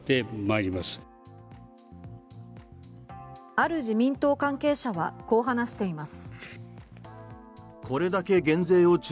ある自民党関係者はこう話しています。